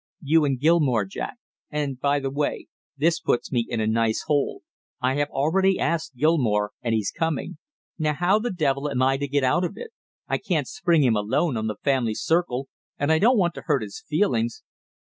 "You and Gilmore, Jack; and by the way, this puts me in a nice hole! I have already asked Gilmore, and he's coming. Now, how the devil am to get out of it? I can't spring him alone on the family circle, and I don't want to hurt his feelings!"